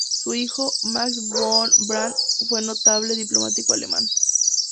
Su hijo, Max von Brandt, fue un notable diplomático alemán.